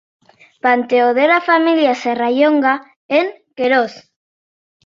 Panteó de la família Serrallonga, en Querós.